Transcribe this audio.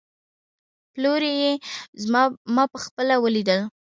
پلوري يې، ما په خپله وليدل